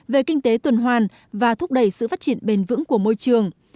về kinh tế tuần hoàn và thúc đẩy sự phát triển bền vững của môi trường